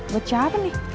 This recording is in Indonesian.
buat siapa nih